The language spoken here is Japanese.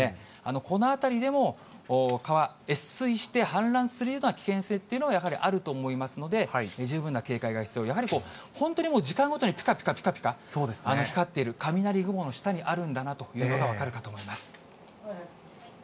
この辺りでも川、越水して氾濫するような危険性っていうのがやはりあると思いますので、十分な警戒が必要、やはり本当に時間ごとに、ぴかぴかぴかぴか光っている、雷雲の下にあるんだなというのが分かるかと思います。